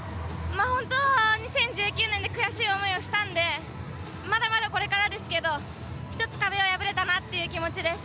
２０１９年で悔しい思いをしたんでまだまだ、これからですけど１つ壁を破れたなという気持ちです。